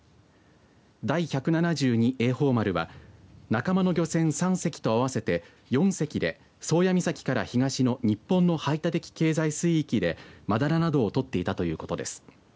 第百七十二榮寳丸は仲間の漁船３隻と合わせて４隻で宗谷岬から東の日本の排他的経済水域でマダラなどを取っていたということです。